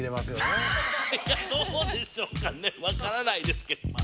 ははっいやどうでしょうかねわからないですけどまあ。